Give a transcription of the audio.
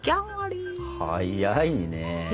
早いね。